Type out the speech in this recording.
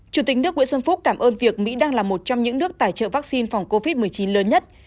chủ tịch nước nguyễn xuân phúc cảm ơn việc mỹ đang là một trong những nước tài trợ vaccine phòng covid một mươi chín lớn nhất